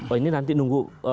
oh ini nanti nunggu